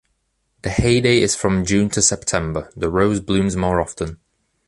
The heyday is from June to September, the rose blooms more often.